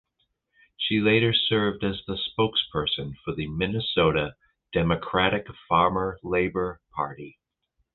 She later served as the spokesperson for the Minnesota Democratic–Farmer–Labor Party.